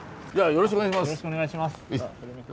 よろしくお願いします。